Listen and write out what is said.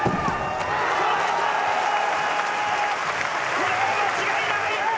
これは間違いない！